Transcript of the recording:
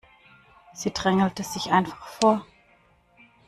Sie drängelte sich einfach vor.